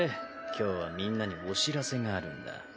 今日はみんなにお知らせがあるんだ。